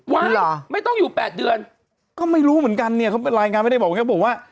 วันเหรอไม่ต้องอยู่๘เดือนก็ไม่รู้เหมือนกันเนี่ยเขาเป็นรายงานไม่ได้บอกว่า